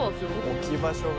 置き場所が。